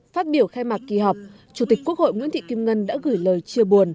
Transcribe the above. phát biểu khai mạc kỳ họp chủ tịch quốc hội nguyễn thị kim ngân đã gửi lời chia buồn